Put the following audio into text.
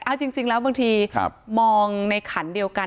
อ้าวจริงจริงแล้วบางทีครับมองในขันเดียวกัน